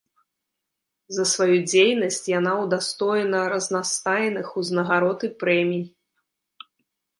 За сваю дзейнасць яна ўдастоена разнастайных узнагарод і прэмій.